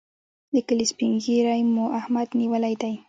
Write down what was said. د کلي سپين ږيری مو احمد نیولی دی.